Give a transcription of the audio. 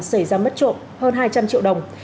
xảy ra mất trộm hơn hai trăm linh triệu đồng